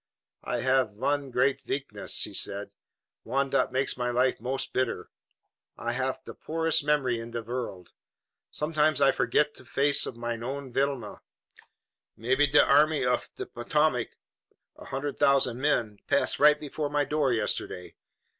"I haf one great veakness," he said, "one dot makes my life most bitter. I haf de poorest memory in de vorld. Somedimes I forget de face of mein own Vilhelmina. Maybe de Army uf de Potomac, a hundred thousand men, pass right before my door yesterday.